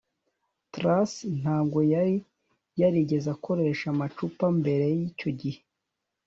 tracy ntabwo yari yarigeze akoresha amacupa mbere yicyo gihe